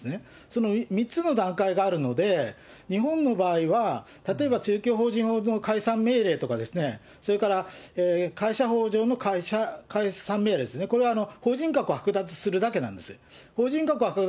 その３つの段階があるので、日本の場合は、例えば、宗教法人法の解散命令とか、それから会社法上の解散命令ですね、これは法人格を剥奪するだけなんです。